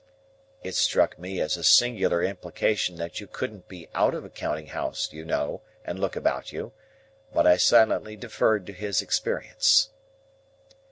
It struck me as a singular implication that you couldn't be out of a counting house, you know, and look about you; but I silently deferred to his experience.